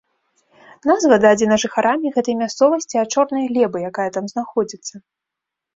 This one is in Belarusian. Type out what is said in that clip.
Назва дадзена жыхарамі гэтай мясцовасці ад чорнай глебы, якая там знаходзіцца.